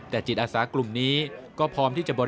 แต่จิตอาสากลุ่มนี้ก็พร้อมที่จะบริ